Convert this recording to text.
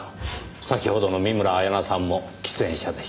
先ほどの見村彩那さんも喫煙者でした。